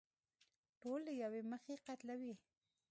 ټول له يوې مخې قتلوي.